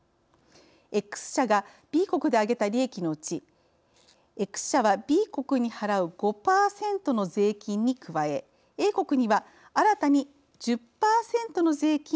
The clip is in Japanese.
Ｘ社がＢ国であげた利益のうちＸ社はＢ国に払う５％の税金に加えＡ国には新たに１０％の税金を払う。